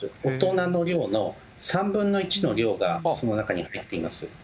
大人の量の３分の１の量がその中に入っています。